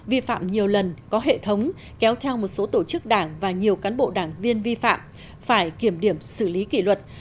vi phạm nhiều lần có hệ thống kéo theo một số tổ chức đảng và nhiều cán bộ đảng viên vi phạm phải kiểm điểm xử lý kỷ luật